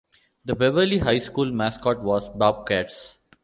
The Beverly High School mascot was Bobcats.